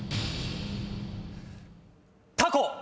タコ！